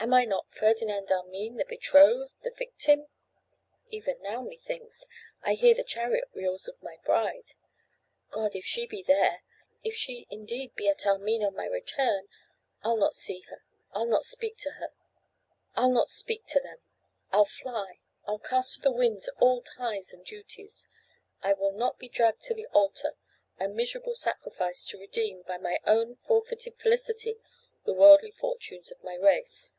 Am I not Ferdinand Armine, the betrothed, the victim? Even now, methinks, I hear the chariot wheels of my bride. God! if she be there; if she indeed be at Armine on my return: I'll not see her; I'll not speak to them; I'll fly. I'll cast to the winds all ties and duties; I will not be dragged to the altar, a miserable sacrifice, to redeem, by my forfeited felicity, the worldly fortunes of my race.